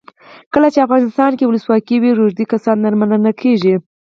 کله چې افغانستان کې ولسواکي وي روږدي کسان درملنه کیږي.